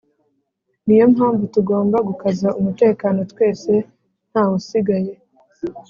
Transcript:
Niyo mpamvu tugomba gukaza umutekano twese ntawusigaye kuko